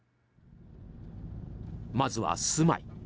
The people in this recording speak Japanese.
まずは住まい。